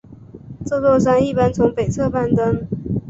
这座山一般从北侧攀登。